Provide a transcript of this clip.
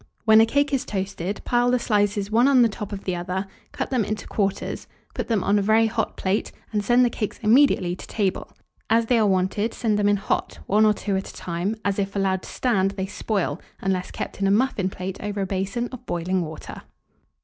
When a cake is toasted, pile the slices one on the top of the other, cut them into quarters, put them on a very hot plate, and send the cakes immediately to table. As they are wanted, send them in hot, one or two at a time, as, if allowed to stand, they spoil, unless kept in a muffin plate over a basin of boiling water.